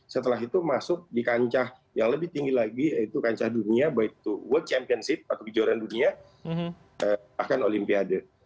setelah itu masuk di kancah yang lebih tinggi lagi yaitu kancah dunia baik itu world championship atau kejuaraan dunia bahkan olimpiade